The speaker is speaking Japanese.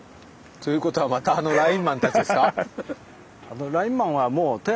ということはまたあのラインマンたちですか？